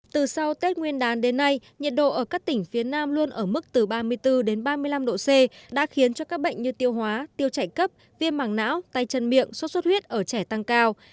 từ sau tết nguyên đán đến nay nhiệt độ ở các tỉnh phía nam luôn ở mức từ ba mươi bốn đến ba mươi năm độ c đã khiến cho các bệnh như tiêu hóa tiêu chảy cấp viêm mảng não tay chân miệng sốt xuất huyết ở trẻ tăng cao